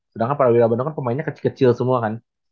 sedangkan prawira bandung pemainnya kecil kecil semua kan